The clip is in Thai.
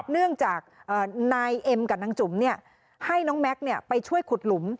เนื่องจากนายเอ็มกับนางจุ๋มให้น้องแม็กซ์ไปช่วยขุดหลุม